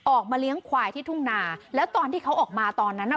ออกมาเลี้ยงควายที่ทุ่งนาแล้วตอนที่เขาออกมาตอนนั้นน่ะ